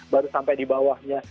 baru sampai di bawahnya